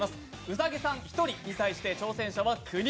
兎さん１人に対して挑戦者は９人。